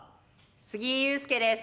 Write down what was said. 杉井勇介です。